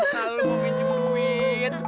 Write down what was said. kalau lu mau minum duit